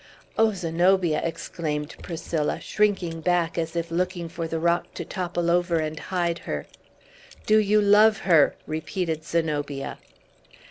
"O Zenobia!" exclaimed Priscilla, shrinking back, as if longing for the rock to topple over and hide her. "Do you love her?" repeated Zenobia.